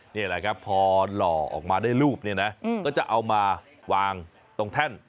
นี่แหละครับพอหล่อออกมาได้รูปเนี่ยนะก็จะเอามาวางตรงแท่น